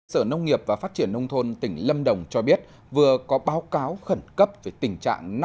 sở nông nghiệp và phát triển nông thôn tỉnh lâm đồng cho biết vừa có báo cáo khẩn cấp về tình trạng